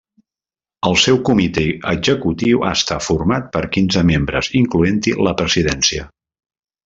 El seu comitè executiu està format per quinze membres incloent-hi la presidència.